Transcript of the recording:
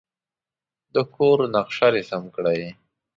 د کور نقشه رسم کړئ.